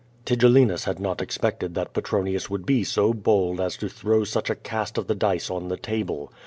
Tigellinus had not expected that Petronius would be so bold as to throw such a cast of the dice on the table.